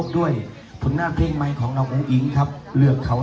สวัสดีระหว่างจุดแรงและสลุดก่อน